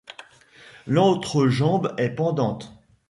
L'autre jambe est pendante.